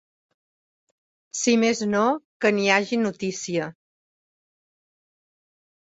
Si més no, que n’hi hagi notícia.